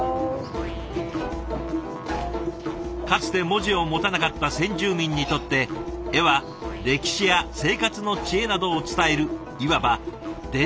かつて文字を持たなかった先住民にとって絵は歴史や生活の知恵などを伝えるいわば伝達手段でした。